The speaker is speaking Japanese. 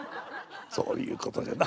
そういうことじゃな。